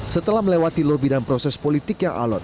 setelah melewati lobby dan proses politik yang alot